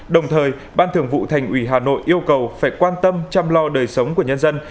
đồng thời ban thường vụ thành ủy hà nội yêu cầu phải quan tâm chăm lo đời sống của nhân dân